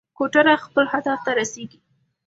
کوتره خپل هدف ته رسېږي.